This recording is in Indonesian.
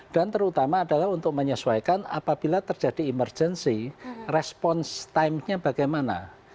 dan terutama adalah untuk menyesuaikan apabila terjadi emergency response timenya bagaimana